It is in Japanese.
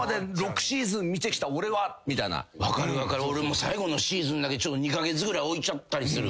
分かる分かる俺も最後のシーズンだけ２カ月ぐらい置いちゃったりする。